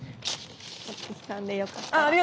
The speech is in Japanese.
持ってきたんでよかったら。